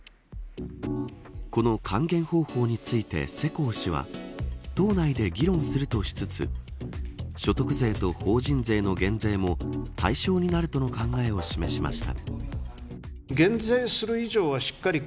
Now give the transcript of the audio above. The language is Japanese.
この還元方法について世耕氏は党内で議論するとしつつ所得税と法人税の減税も対象になるとの考えを示しました。